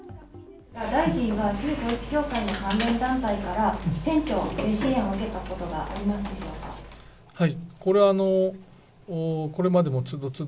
大臣は旧統一教会の関連団体から、選挙で支援を受けたことはありますでしょうか。